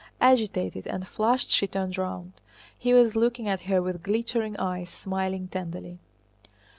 Agitated and flushed she turned round. He was looking at her with glittering eyes, smiling tenderly.